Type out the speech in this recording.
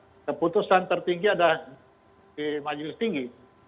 karena keputusan tertinggi ada di majelis tinggi